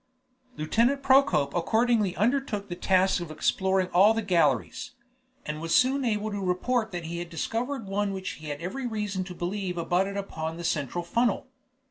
Lieutenant Procope accordingly undertook the task of exploring all the galleries, and was soon able to report that he had discovered one which he had every reason to believe abutted upon the central funnel.